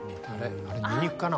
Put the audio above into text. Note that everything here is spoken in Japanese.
あれニンニクかな？